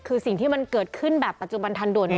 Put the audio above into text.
คือสิ่งที่มันเกิดขึ้นแบบปัจจุบันทันด่วน